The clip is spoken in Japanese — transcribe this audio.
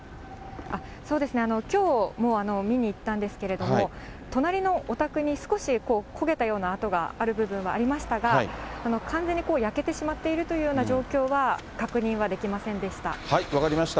きょうも見に行ったんですけども、隣のお宅に少し焦げたような跡がある部分はありましたが、完全に焼けてしまっているというような状況は確認はできませんで分かりました。